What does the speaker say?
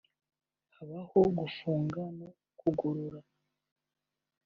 Habaho gufunga no kugorora